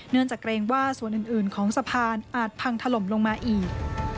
จากเกรงว่าส่วนอื่นของสะพานอาจพังถล่มลงมาอีก